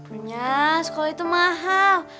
punya sekolah itu mahal